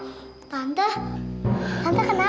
seluruh penumpang dinyatakan tewas